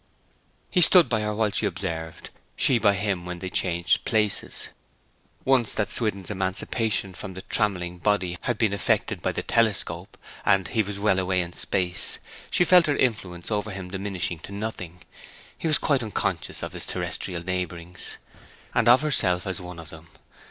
He stood by her while she observed; she by him when they changed places. Once that Swithin's emancipation from a trammelling body had been effected by the telescope, and he was well away in space, she felt her influence over him diminishing to nothing. He was quite unconscious of his terrestrial neighbourings, and of herself as one of them.